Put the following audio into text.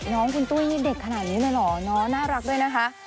น้องคุณตุ้ยนี่เด็กขนาดนี้เลยเหรอเนาะน่ารักด้วยนะคะ